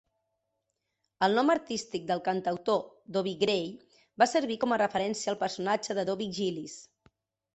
El nom artístic del cantautor Dobie Gray va servir com a referència al personatge de Dobie Gillis.